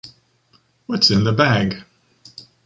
What's in the bag?